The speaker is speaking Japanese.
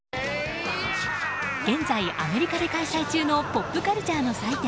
現在、アメリカで開催中のポップカルチャーの祭典